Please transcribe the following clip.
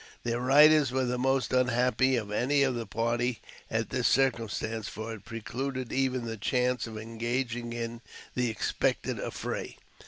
Their riders were the most unhappy of any of the party at this circumstance, for it precluded even the chances of engaging in the expected affray.